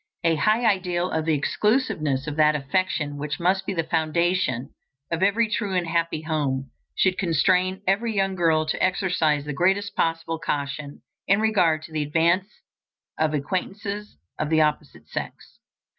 A high ideal of the exclusiveness of that affection which must be the foundation of every true and happy home, should constrain every young girl to exercise the greatest possible caution in regard to the advances of acquaintances of the opposite sex.